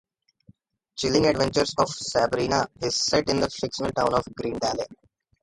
Chilling Adventures of Sabrina is set in the fictional town of Greendale.